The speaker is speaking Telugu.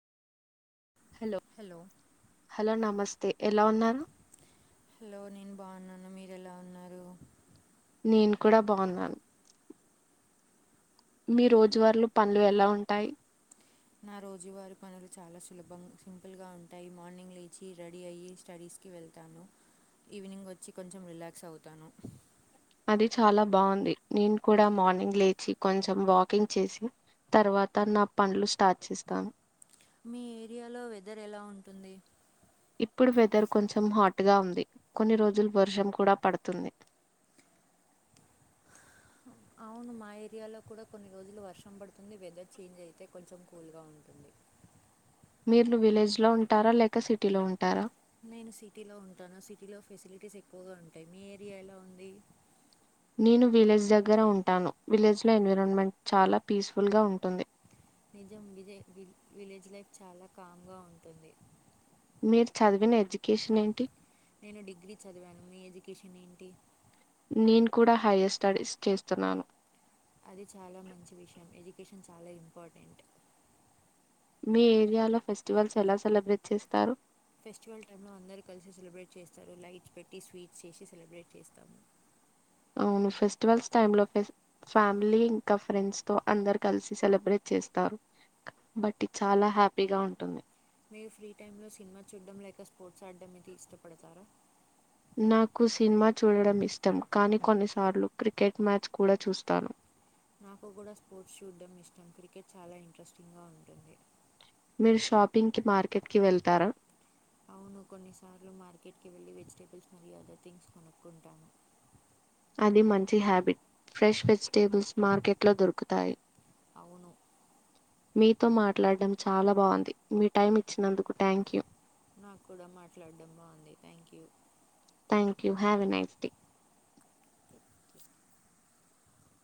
హలో హలో నమస్ తే ఎలా ఉన్నారు హలో నేను బాగున్నాను మీరు ఎలా ఉన్నారు నేను కూడా బాగున్నాను మీ రోజువారులు పనులు ఎలా ఉంటాయి నా రోజువారి పనులు చాలా సులభం సింపుల్గా ఉంటాయి, మార్నింగ్ లేచి రెడీ అయ్యి స్టడీస్కి వెళ్తాను, ఈవినింగ్ వచ్చి కొంచెం రిలాక్స్ అవుతాను. అది చాలా బాగుంది, నేను కూడా మార్నింగ్ లేచి కొంచెం వాకింగ్ చేసి, తర్వాత నా పంలు స్టార్ట్ చేస్తాను. మీ ఏరియాలో వెదర్ ఎలా ఉంటుంది ఇప్పుడు వెదర్ కొంచెం హాట్గా ఉంది, కొన్ని రోజులు వర్షం కూడా పడుతుంది. అవును మా ఏరియాలో కూడా కొన్ని రోజులు వర్షం పడుతుంది వెదర్ చేంజ్ అయితే కొంచెం కూల్గా ఉంటుంది. మీరు విలేజ్ లో ఉంటారా లేక సిటీ లో ఉంటారా నేను సిటీలో ఉంటాను సిటీలో ఫెసిలిటీస్ ఎక్కువగా ఉంటాయి మీ ఏరియాలో ఉంది నేను విలేజ్ దగ్గర ఉంటాను విలేజ్ లో ఎన్విరాన్మెంట్ చాలా పీస్ఫుల్గా ఉంటుంది నిజం ని వి విలేజ్ లైఫ్ చాలా కామ్ గా ఉంటుంది మీరు చదివిన ఎడ్యుకేషన్ ఏంటి నేను డిగ్రీ చదివాను మీ ఎడ్యుకేషన్ ఏం టి నేను కూడా హైయర్ స్టడీస్ చేస్తున్నాను అది చాలా మంచి విషయం ఎడ్యుకేషన్ చాలా ఇంపార్టెంట్ మీ ఏరియాలో ఫెస్టివల్స్ ఎలా సెలబ్రేట్ చేస్తారు ఫెస్టివల్ టైంలో అందరూ కలిసి సెలబ్రేట్ చేస్తారు లైట్స్ పెట్టి స్వీట్స్ చేసి సెలబ్రేట్ చేస్తాము ఫెస్టివల్స్ టై లో ఫ్యామిలీ ఇంకా ఫ్రెండ్స్ తో అందరు కలిసి సెలబ్రేట్ చేస్తారు బట్ చాలా హ్యాపీగా ఉంటుంది మీరు ఫ్రీ టైంలో సినిమా చూడడం లేక స్పోర్ట్స్ ఆడడం ఇది ఇష్టపడతారా నాకు సినిమా చూడడం ఇష్టం కానీ కొన్నిసార్లు క్రికెట్ మ్యాచ్ కూడా చూస్తాను నాకు కూడా స్పోర్ట్స్ చూడ్డం ఇష్టం క్రికెట్ చాలా ఇంట్రెస్టింగ్గా ఉంటుంది మీరు షాపింగ్ కి మార్కెట్ కి వెళ్తారా అవును కొన్నిసార్లు మార్కెట్కి వెళ్ళి వెజిటేబుల్స్ మరియు అదర్ థింగ్స్ కొనుక్కుంటాను అది మంచి హ్యాబిట్ ఫ్రెష్ వెజిటేబుల్స్ మార్కెట్ లో దొరుకుతాయి అవును మీతో మాట్లాడడం చాలా బాగుంది మీ టైం ఇచ్చినందుకు థ్యాంక్ యూ నాకు కూడా మాట్లాడడం బాగుంది thank you thank you have a nice day